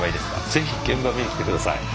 ぜひ現場を見に来てください。